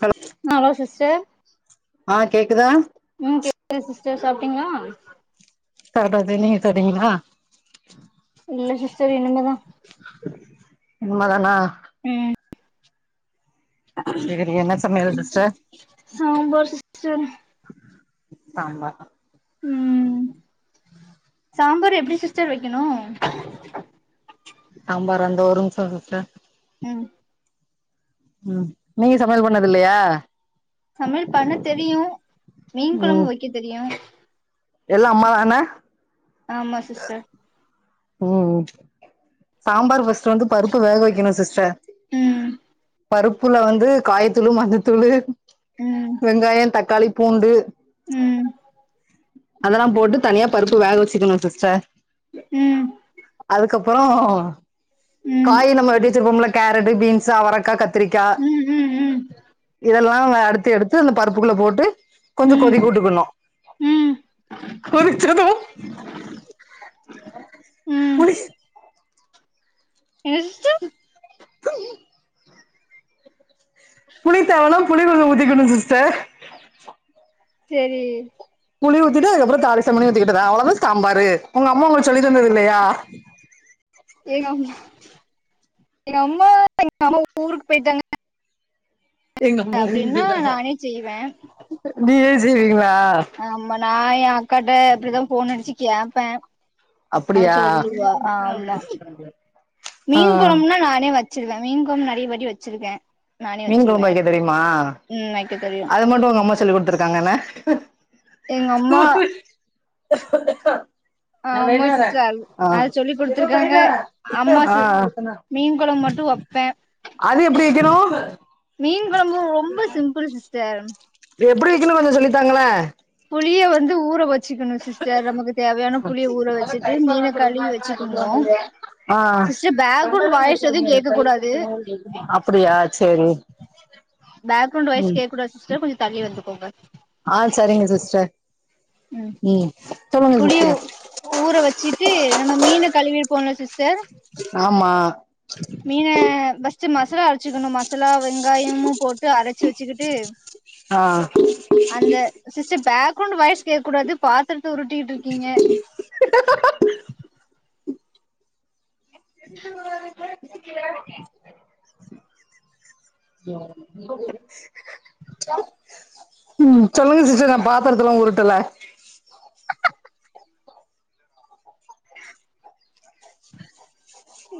Hello hello sister ஆ கேக்குதா உம் கேக்குது சிஸ்டர் சாப்பிட்டீங்களா சாப்ட்டாச்சு நீங்க சாப்டிங்களா இல்ல சிஸ்டர் இனிமேதா னிமேதானா உம் சரி என்ன சமையல் சிஸ்டர் சாம்பார் சிஸ்டர் சாம்பார் ம் ம் ம் சாம்பாரு எப்டி சிஸ்டர் வெக்கணு இதோ ஒரு நிம்சோ சிஸ்டர் ம் ம் நீங்க சமையல் பண்ணதில்லையா சமையல் பண்ண தெரியு மீன் கொலம்பு ம் வெக்க தெரியு எல்லா அம்மா தானா ஆமா சிஸ்டர் ஒ சாம்பார் ஃபஸ்ட் ஃபஸ்டு வந்து பருப்பு வேக வெக்கணு சிஸ்டர் ம் பருப்புல வந்து காய்த்தூளு மஞ்சத்தூளு ம் வெங்காயோ தக்காளி பூண்டு ம் அதல்லா போட்டு தனியா பருப்பு வேக வெச்சிக்கணு சிஸ்டர் ம் அதுக்கப்புறோ ம் காயி நம்ம வெட்டி வெச்சிருப்போம்ல கேரட்டு பீன்ஸ்ஸு அவரக் கா கத்திரிக்கா ம் ம் இதயெல்லா அறுத்து எடுத்து அந்த பருப்புக்குள்ள போட்டு கொஞ்சோ ம் கொதிக்க ம் வுட்டுக்கணு ம் கொதிச்சது ம் போலிஸ் என்ன சிஸ்டர் [unintelligible] புளி தேவனா புளி கொஞ்சோ ஊதிக்கணு சிஸ்டர் செரி புளி ஊத்திட்டு அதுக்கப்புறோ தாளிசம்மனி ஊத்திகிட்டதா அவ்ளோதா சாம்பாரு உங்க அம்மா உங்களுக் சொல்லி தந்ததில்லையா எங்க அம்மா எங்க அம்மா எங்க அம்மா ஊருக்கு போயிட்டாங்க எங்க அம்மா ஊருக்கு அப்டின்னா போயிட்டாங்க நானே செய்வே நீயே செய்வீங்களா ஆமா நா ஏ அக் காட்ட அப்டிதா ஃபோன் அடிச்சி கேப்பே அவ அப்படியா சொல்லுவா ஆமா ஆ மீன் கொலம்புனா நானே வெச்சிருவே மீன் கொழம்பு நெறையவாட்டி வெச்சிருக்கே மீன் கொலம்பு வெக்க தெரிமா வைக்க தெரியு அது மட்டு உங்க அம்மா சொல்லி குடுத்துருக்காங்கன்ன எங்கம்மா ஹொக்க ஹொக்க நா போயிட்டு வரே சிஸ்டர் ஆ.. அது சொல்லி எப்பா குடுத்துருக்காங்க போயிட்டு வரே அம்மா சி ஆ. ஆ. மீன் கொழம்பு மட்டு வப்பே அது எப்படி வெக்கணு மீன் கொழம்பு ரொம்ப சிம்பிள் சிஸ்டர் எப்படி வெக்கன்னு கொஞ்சோ சொல்லித்தாங்கள புளிய வந்து ஊற வெச் சிக்கணு சிஸ்டர் நமக்கு தேவையான புளிய ஊற வெச்சிட்டு மீனக்கலுவி வெச்சிக்கணு ஆ அப்படியா செரி பேக்ரவுண்ட் வாய்ஸ் கேக்கூடாது சிஸ்டர் கொஞ்சோ தள்ளி வந்துக்கோங்க ஆ செரிங்க சிஸ்டர் ம் சொல்லுங்க புளியு சிஸ்டர் ஊற வெச்சிட்டு நம்ம மீன கலுவி போட்னு சிஸ்டர் ஆமா ஃபர்ஸ்ட்டு மசாலா அரச்சிக்கணு மசாலா வெங்காயமு போட்டு அரச்சி வெச்சிகிட்டு ஆ அந்த சிஸ்டர் பேக் குரோண்டு வாய்ஸ் கேக் கூடாது பாத்துறத்த உருட்டிட்ருக்கீங்க எதுக்கு வாரீங்க கேக்கிறீங்க [unintelligible] ம் சொல்லுங்க சிஸ்டர் நா பாத்தறத்தல்லா உருட்டல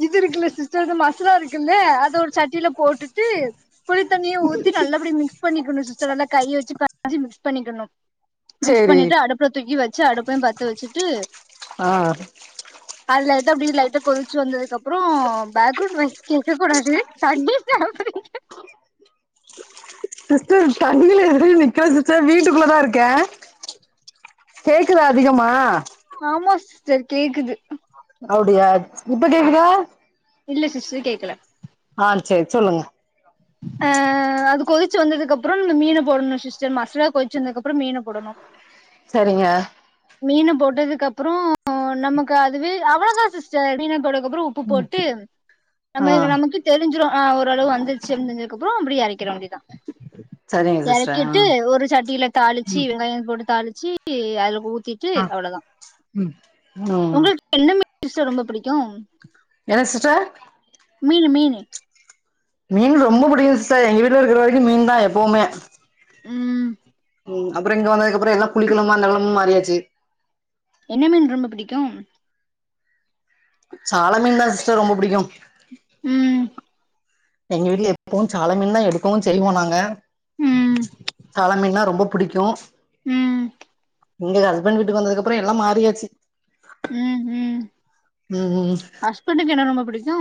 இது இருக்குல்ல சிஸ்டர் இது மசாலா இருக்குல்ல அத ஒரு சட்டில போட்டுட்டு புளித்தண்ணிய ஊத்தி நல்லபடிய மிக்ஸ் பண்ணிக்கணு சிஸ்டர் நல்லா கைய வச்சி [inaudible] மிக்ஸ் பண்ணிக்கணு மிக்ஸ் சேரி பண்ணிட்டு அடுப்புல தூக்கி வச்சு அடுப்பையு பத்த வச்சிட்டு ஆ லைட்டா அப்டி லைட்டா கொதிச்சு வந்ததுக்கப் புறோ பேக்ரவுண்ட் வாய்ஸ் கேட்க கூடாது கண்டிஷன் [unintelligible] சிஸ்டர் தண்ணியில எது நிக்கல சிஸ்டர் வீட்டுக்குள்ளதா இருக்க கேக்குதா அதிகமா ஆமா சிஸ்டர் கேக்குது. அப்டியா இப்ப கேக்குதா இல்ல சிஸ்டர் கேக்கல ஆ செர் சொல்லுங்க ஆ அது கொதிச்சி வந்ததுக்கப்பறோ இந்த மீன போடணு சிஸ்டர் மசாலா கொதிச்சி வந்ததுக்கப்பறோ மீன போடணு சரிங்க மீன் போட்டதுக்கப்பறோ நமக்கு அதுவே அவ்ளோதா சிஸர் மீனே [unintelligible] கப்பறோ உப்பு போட்டு ஆ நம்ம நமக்கு தெரிஞ்சிரு ஆ ஓரளவு வந்துச்சின் தெரிஞ்சதுக்கப்றோ இப்டி எறக்கிற வேண்டியதுதா சரிங்க சிஸ்டர் ஆ எறக்கிட்டு ஒரு சட்டியில தாளிச்சி வெங்காயோ போட்டு தாளிச்சி அதுல ஊத் திட்டு அவ்ளோதா ம் உங்களுக்கு என்ன [inaudible] டிஸ் ரொம்ப புடிக்கு என சிஸ்டர் மீனு மீன் மீனு ரொம்போ புடிக்கு சிஸர் எங்க வீட்டுல இருக்குற வரைக்கு மீன்தா எப்பவுமே ம் ம் அப்பறோ இங்க வந்ததுக்கப்றோ எல்லா புளிக்கொழம்பா அந்த [unintelligible] மாறியாச்சி என்ன மீன் ரொம்ப பிடிக்கும் சால மீன்தா சிஸ்டர் ரொம்ப புடிக்கு ம் எங்க வீட்டுல எப்பவு சால மீன்தா எடுக்கவு செய்வோ நாங்க ம் சால மீன்னா ரொம்போ புடிக்கு ம் இங்க ஹஸ்பண்ட் வீட்டுக்கு வந்ததுக்கு அப்றோ எல்லா மாறியாச்சு. ம் ம் ம் ம் ஹஸ்பன்டுக்கு என்ன ரொம்ப பிடிக்கு?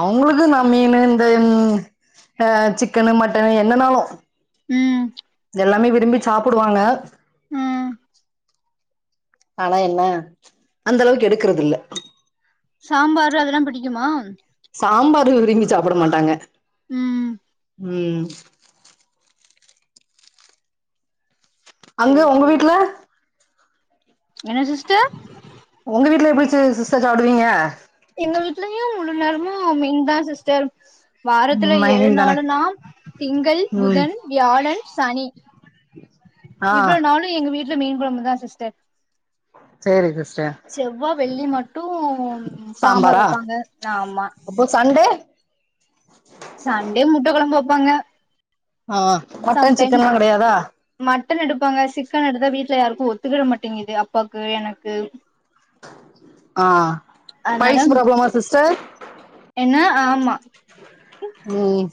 அவங்களுக்கு நா மீனு இந்த ம் அ சிக்கனு மட்டனு என்னன்னாலு ம் எல்லாமே விரும்பி சாப்டுவாங்க. ம் ஆனா என்ன அந்த அளவுக்கு எடுக்கறதுல்ல சாம்பாரு அதெல்லா பிடிக்குமா? சாம்பாரு விரும்பி சாப்புட மாட்டாங்க ம் ம் அங்க சேரி ஒங்க சேரி வீட்ல என்ன சிஸ்டர் ஒங்க வீட்ல எப்டி ச்சு சிஸ்டர் சாப்டுவீங்க எங்க வீட்லயு முழு நேரமும் மீன்தா சிஸ்டர் வாரத்துல ம் ஏழு நைன் தான நாளுன்னா திங்கள் ம் புதன் வியாழன் சனி ஆ இவ்ளோ நாளு எங்க வீட்ல மீன் கொழம்புதா சிஸ்டர் சேரி சிஸ் செவ்வா வெள்ளி மட்டும் சாம்பார் சாம்பாரா வைப்பாங்க நாமா அப்போ சண்டே சண்டே முட்ட கொழம்பு வப்பாங்க. ஆ அ மட்டன் சிக்கன்லா கெடையாதா மட்டன் எடுப்பாங்க சிக்கன் எடுத்தா வீட்ல யாருக்கு ஒத்துக்கிட மாட்டேங்குது அப்பாவுக்கு எனக்கு ஆஹ் அதனால பைல்ஸ் ப்ராப்ளமா சிஸ்டர் ஆம்மா ம்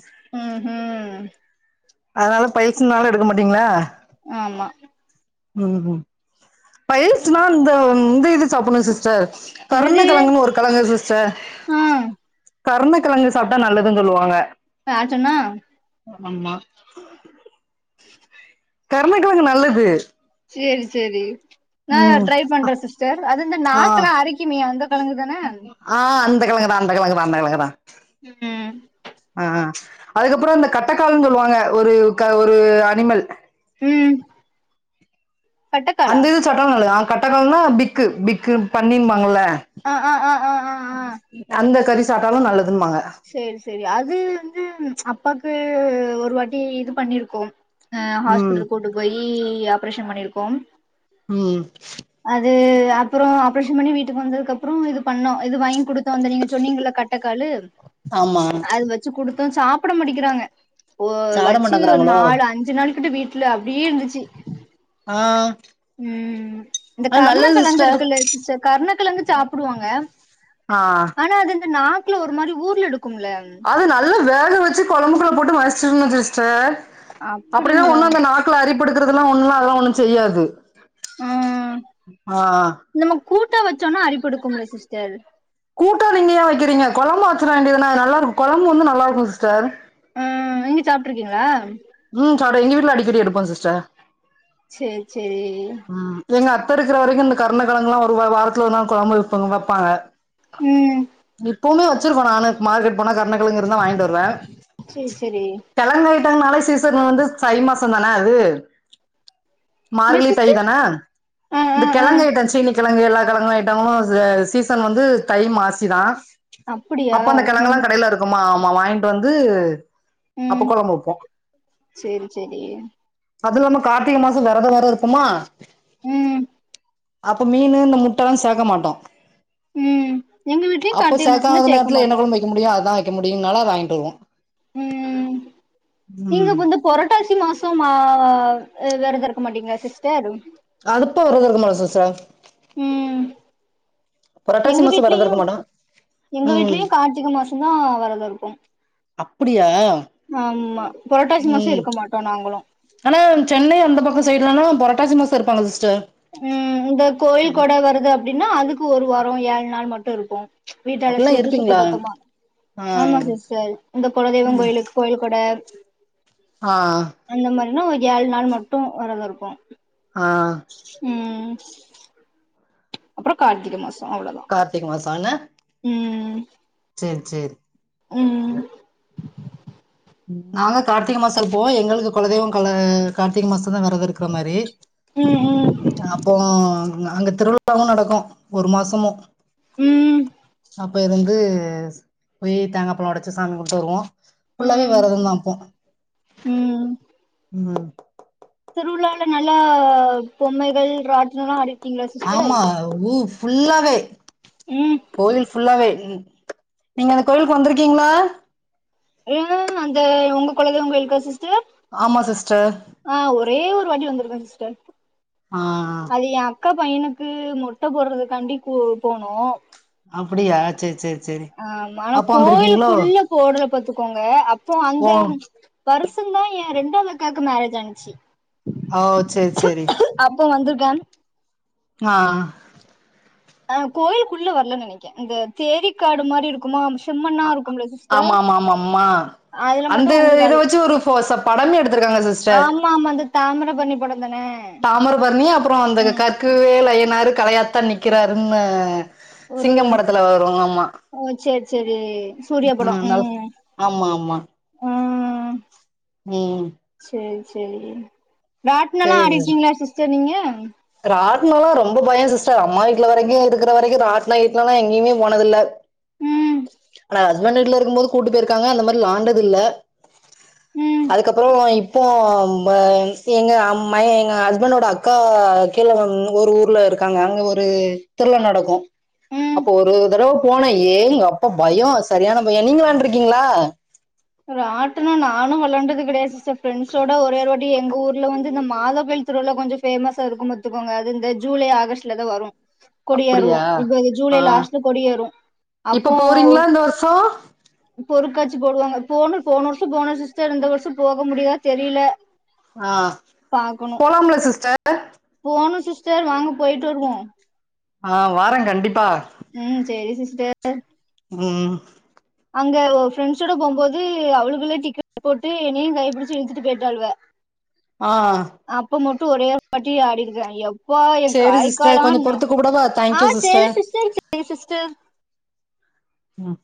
ம் அதனால பைல்ஸ்னால எடுக்க மாட்டீங்ளா ஆமா ம்ம் பைல்ஸ்னா இந்த இந்த இது சாப்டுணு சிஸ்டர் கர்ண என்னது கெழங்கன்னு ஒரு கெழங்கு சிஸ்டர் ஆ கர்ண கெழங்கு சாப்டா நல்லதுன்னு சொல்லுவாங்க யார்ச் சொன்னா அம்மா கர்ண கெழங்கு நல்லது சேரி சேரி நா ம் ட்ரை பண்றே சிஸ்டர் அது இந்த ஆ நாக்லா அரிக்குமே அந்த கெழங்குதானே ஆ அந்த கெழங்குதா அந்த கெழங்குதா அந்த கெழங்குதா ம் அதுக்கப்றோ இந்த கட்டக்கால்ன்னு சொல்லுவாங்க ஒரு ஒரு அனிமல் ம் பட்டக்காலா அந்த இது சாப்ட நல்லது கட்டக்கால்னா பிக்கு பிக்கு பன்னின்பாங்கள்ல ஆஹ் ஆஹ் ஆஹ் ஆஹ் ஆஹ் சாப்டாலு நல்லது சேரி சேரி அது வந்து அப்பாக்கு ஒரு வாட்டி இது பண்ணிருக்கோம் ஹ ம் ஹாஸ்பிட்டலு கூட்டு போய் ஆப்ரேஷன் பண்ணியிருக்கோம் ம் அது அப்றோ ஆப்ரேஷன் பண்ணி வீட்டுக்கு வந்ததுக்கு அப்றோ இது பண்ணோ இது வாங்கி குடுத்தோ இது நீங்க சொன்னீங்கள கட்டக்காலு ஆமா அது வச்சு குடுத் தோ சாப்ட மாட்டிக்கிறாங்க ஒ சாப்ட வச்சு ஒரு மாட்டேங்கறாங்களோ நாலு அஞ்சு நாளிக் டு வீட்ல அப்டியே இருந்துச்சு ஆ ம் இந்த அது கர்ண நல்லது கெழங்கு சிஸ்டர் இருக்குல்ல சிஸ்டர் கர்ண கெழங்கு சாப்புடுவாங்க ஆ ஆனா அது இந்த நாக்குல ஒரு மாரி ஊர்ல எடுக்கு அது நல்லா வேக வச்சு கொழம்புக்குள்ள போட்டு மசிச்சிடனு சிஸ்டர் அப்டில்லா அப்டிங்களா ஒண்ணு அந்த நாக்கல அரிப்பெடுக்குரதெல்லாஒண்ணு அதெல்லா ஒண்ணு செய்யாது ஆ ஆஹ் நம்ம கூட்டா வச்சோனா அரிப்பெடுக்கும்ல சிஸ்டர் கூட்டா நீங்க ஏ வைக்கிறீங்க கொழம்பா வச்சிட வேண்டியது தானே நல்லாருக்கு கொழம்பு வந்து நல்லாருக்கு சிஸ்டர் ஆஹ் நீங்க சாப்டுருக்கீங்களா ம் சாப்ட எங்க வீட்ல அடிக்கடி எடுப்போ சிஸ்டர் சேரி சேரி ம் எங்க அத்த இருக்கிற வரைக்கு இந்த கர்ண கெழங்கலா ஒரு வாரத்துல ஒரு நாள் கொழம்பு வைப்பாங் வைப்பாங்க ம் இப்போமே வச்சிருவே நானு மார்க்கெட் போன கர்ண கெழங்கு இருந்தா வாயிண்டு வருவே சேரி சேரி கெழங் னாலே சீசன் வந்து சை மாசம் தானே அது என்ன மார்கழி தை சிஸ்டர் தானா ஆ ஆ இந்த ஆ கிழங்கைடம் சீலிங் கிழங்கு எல்லா கிழங்கு ஐட்டமு அ சீசன் வந்து தை மாசிதா அப்டியா அப்ப அந்த கிழங்கெல்லா ம் கடையில இருக்குமா ஆமா வாங்கிட்டு வந்து அப்ப ம் கொழம்பு வைப்போ சேரி சேரி அது இல்லாம கார்த்திக மாசம் விரத வேற இருப்போமா ம் அப்ப மீன் இந்த முட்ட எல்லா சேக்க மாட்டோ ம் எங்க வீட்லயு அப்ப கார்த்திக மாசம்னா சேக்காத சேக்க நேரத்துல என்ன மாட்டோ குழம்பு வைக்க முடியு அத வைக்க முடியுனால அத வாங்கிட்டு வருவோ உம் நீங்க ம் வந்து பொரட்டாசி மாச சும்மா வேறத இருக்க மாட்டீங்கள சிஸ்டர் அதுப்ப வர த இருக்கமாடோ சிஸ்டர் உம் புரட்டாசி எங்க மாசம் விரதம் இருக்க வீடலயும் மாட்டே எங்க ம் வீட்லயும் கார்த்திக மாசம் தா வெரதோ இருப்போ அப்படியா ஆமா புரட்டாசி மாசோ உம் இருக்க மாட்டோ நாங்களு ஆனா சென்னை அந்த பக்கத்து சைடுலனா புரட்டாசி மாசம் இருப்பாங்க சிஸ்டர் உம் இந்த கோயில் கொட வருது அப்படின்னா அதுக்கு ஒரு வாரோ யேழு நாள் மட்டு இருபோ வீட்ட அப்டில்லா அலசிவுட்டு சுத்த இருப்பீங்களா பத்தமா ஆ ஆமா சிஸ்டர் இந்த குலதெய்வம் கோயிலுக்கு கோயில் கொட ஆ ன்னா ஒரு ஏழு நாள் மட்டு வரத இருக்கு ஆ உம் அப்ரோ கார்த்திக மாசம் கார்த்திக மாசம் ல உம் உம் நாங்க கார்த்திக மாச போவோம் எங்களுக்கு குலதெய்வ கொல கார்த்திகை மாசம் பதா வரத இருக்குற மாரி ம் ம் அப்போ அங்க திருவிழாவு நடக்கு ஒரு மாசமு உம் அப்போ இது வந்து போய் தேங்காய் பழம் ஒடைச்சு சாமி கும்ட்டு வருவோ ம் ஃபுல்லாவே வரத தா அப்போ ம் ம் திருவிழால நல்லா பொம்மைகள் ராட்சனல்லா ஆடி ஆமா ஊ ஃபுல்லாவே ம் கோயில் ஃபுல்லாவே நீங்க அந்த கோயிலுக்கு வந்துருக்கீங்களா [unintelligible] அந்த உங்க குல தெய்வ கோயிலுக்கா சிஸ் ச ஆமா சிஸ்டர் ஆ ஒரே ஒரு வாட்டி வந்திருக்கோ சிஸ்டர் ஆ அது எ அக்கா பையனுக்கு மொட்ட போடுறதுக்காண்டி கு போனோ அப்படியா செர் செர் ஆ ஆனா கோயிலுக்குள்ள போடல பாத்துக்கோங்க அப்போ அந்த ஓ வருச ந்தா ஏ ரெண்டாவது அ க்காக்கு மேரேஜ் ஆந்துச்சு ஓ செரி செரி வந்திருக்கே ஆ அ கோயிலக்குள்ள வரல நனைக்க இந்த தேரிக்காடு மாரி இருக்குமா சிம்மண்ணா இருக்கும்ல சிஸ்டர் ஆமா ஆமா ஆமா ஆமா அதுல அந்த மட்டும் கொஞ்சோ இத கள் வச்சு ஒரு ஃபோ ச படமே எடுத்திருக்காங்க சிஸ்டர் ஆமா ஆமா வந்து தாமிர பரணி பட தாமிரபரணி அப்ரோ அந்த கற்கவேலைஐய்யனாரு கலையாத்தான் நிக்கிறாருன்னு ஒரு சிங்கம்படத்துல வருவங்க அமா செரி சூர்யா படம் ம் ஆமா ஆமா ம் ம் செரி ராட்னோலா ஆடிருக்கீங்களா சிஸ்டர் நீங்க ராட்னோல ரொம்ப பயம் சிஸ்டர் அம்மா வீட்டல வெரைக்கு இருக்கிற வெரைக்கு ராட்னோ கீட்னோல எங்கயுமே போனதுல்ல ம் ஆனா ஹஸ்பண்ட் வீட்டல இருக்கும் போது கூட்டு போயிருக்காங்க அந்த மாரி விலாண்டது இல்ல ம் அதுக்கப்றோ இப்போ எங்க அம் மகன் எங்க ஹஸ்பண்டோட அக்கா கீழ ஒரு ஊர்ல இருக்காங்க அங்க ஒரு திருவிழா நடக்கு ம் அப்போ ஒரு தடவ போனா ஏங்கப் தோ பயோ சரியான பயோ நீங்க வேளாண்டுருக்கீங்களா ராட்னோ நானு வேளாண்டுது கிடையாது சிஸ்டர் ஃபிரெண்ட்ஸோட ஒரே ஓர் வாட்டி எங்க ஊர்ல வந்து இந்த மாத கோயில் திருவிழா கொஞ்சோ ஃபேமஸா இருக்கும் பாத்துக்கோங்க அது இந்த ஜூலை ஆகஸ்ட்ல தா வரும் கொடி எறுவோ அப்படியா இப்ப ஜூலை ஆ லாஸ்ட்ல கொடியேறு இப்ப அப்போ போறீங்களா இந்த வருஷோ பொருட்காட்சி சி போடுவாங்க போனோ போன வருஷம் போன சிஸ்டர் இந்த வருஷம் போக முடியுதா தெரில ஆ பாக்கனோ போலாம்ல சிஸ்டர் போனோ சிஸ் டர் வாங்க போய்டு வருவோ ஆ வாரேன் கண்டிப்பா ம் செரி சிஸ்டர் ம் அங்க ஒ ஃப்ரெண்ட்ஸோட போம்போது அவளுகுள்ளே டிக்கெட் போட்டு என்னையு கைப்பிடிச்சு இழுத்துட்டு போய்ட்டால்வோ ஆ ஒரே வாட்டி ஆடிருக்க யப் பா என் சேரி கை சிஸ்டர் கால்ல கொஞ்சோ நா பொறுத்து கூப்டவா ஆ தேங்க்யூ சேரி சிஸ்டர் சேரி சிஸ்டர் ம்